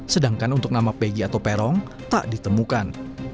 sedangkan untuk nama pegi atau perong tak ditemukan